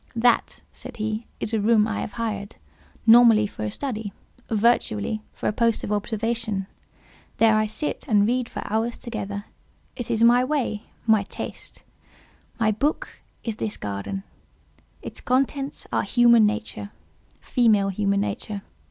"That," said he, "is a room I have hired, nominally for a study—virtually for a post of observation. There I sit and read for hours together: it is my way—my taste. My book is this garden; its contents are human nature—female human nature.